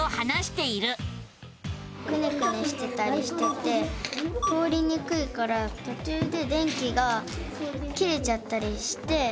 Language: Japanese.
くねくねしてたりしてて通りにくいからとちゅうで電気が切れちゃったりして。